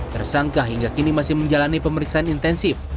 tersangka hingga kini masih menjalani pemeriksaan intensif